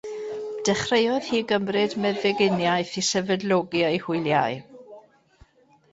Dechreuodd hi gymryd meddyginiaeth i sefydlogi ei hwyliau.